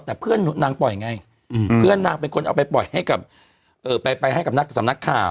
แต่เพื่อนนางปล่อยไงเพื่อนนางเป็นคนเอาไปปล่อยให้กับไปให้กับนักสำนักข่าว